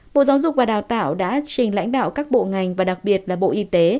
bộ giáo dục và đào tạo đã trình lãnh đạo các bộ ngành và đặc biệt là bộ y tế